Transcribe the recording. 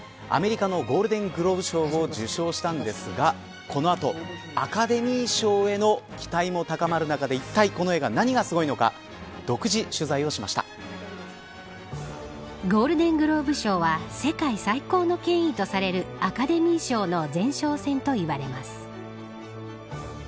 アメリカのゴールデン・グローブ賞を受賞したんですがこの後、アカデミー賞への期待も高まる中でいったい、この映画何がすごいのかゴールデン・グローブ賞は世界最高の権威とされるアカデミー賞の前哨戦といわれます。